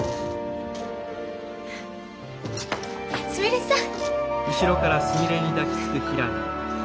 すみれさん。